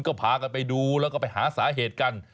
ก็พากันไปดูแล้วก็ไปหาสาเหตุกัน